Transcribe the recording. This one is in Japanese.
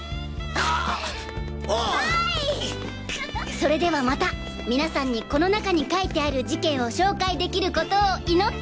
それではまたみなさんにこの中に書いてある事件を紹介できることを祈って